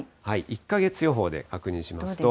１か月予報で確認しますと。